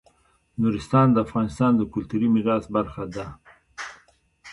نورستان د افغانستان د کلتوري میراث برخه ده.